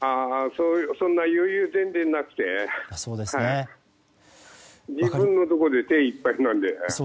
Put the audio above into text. そんな余裕、全然なくて自分のところで手いっぱいなので。